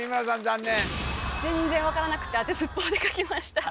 残念全然分からなくってあてずっぽうで書きました